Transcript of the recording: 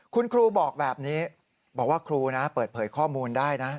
คุณครูบอกแบบนี้บอกว่าครูนะเปิดเผยข้อมูลได้นะ